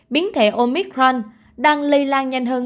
biến thể omicron đang lây lan nhanh hơn